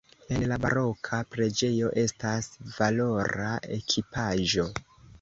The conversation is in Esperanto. En la baroka preĝejo estas valora ekipaĵo.